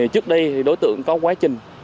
trước đây thì đối tượng có quá trình